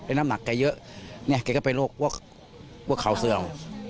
ในน้ำหนักแกเยอะเนี่ยแกก็ไปโรคว่าขาวเสื่อม